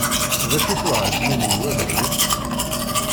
D acu-t uɛeẓmum n wagnun?